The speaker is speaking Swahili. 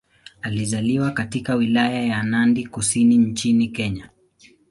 Alizaliwa katika Wilaya ya Nandi Kusini nchini Kenya.